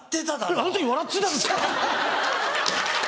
あの時笑ってたんですか？